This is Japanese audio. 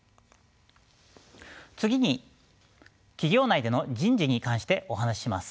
次に企業内での人事に関してお話しします。